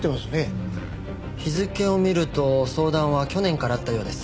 日付を見ると相談は去年からあったようです。